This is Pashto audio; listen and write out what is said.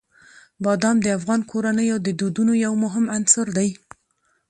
بادام د افغان کورنیو د دودونو یو مهم عنصر دی.